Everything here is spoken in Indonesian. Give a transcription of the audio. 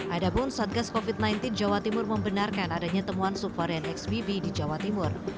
adapun satgas covid sembilan belas jawa timur membenarkan adanya temuan subvarian xbb di jawa timur